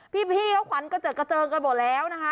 พี่เขาขวันเกรือก๋าเจิงกันบ่แล้วนะคะ